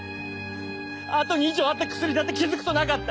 あと２錠あった薬だって気付くとなかった。